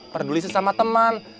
peduli sama temen